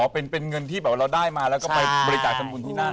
เป็นเงินที่แบบว่าเราได้มาแล้วก็ไปบริจาคทำบุญที่นั่น